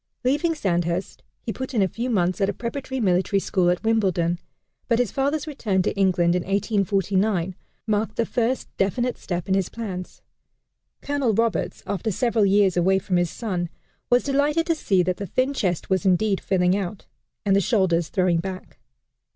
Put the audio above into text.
Leaving Sandhurst, he put in a few months at a preparatory military school at Wimbledon, but his father's return to England, in 1849, marked the first definite step in his plans. Colonel Roberts, after several years away from his son, was delighted to see that the thin chest was indeed filling out, and the shoulders throwing back.